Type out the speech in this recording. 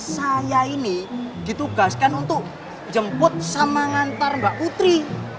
saya ini ditugaskan untuk jemput sama ngantar mbak putri